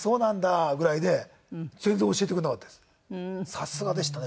さすがでしたね。